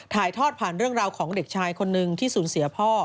ถ่ายทอดผ่านเรื่องราวของเด็กชายคนนึงที่สูญเสียพ่อ